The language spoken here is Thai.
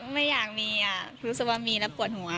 ไม่อยากมีรู้สึกว่ามีแล้วปวดหัว